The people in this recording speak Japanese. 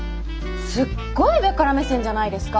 すっごい上から目線じゃないですか？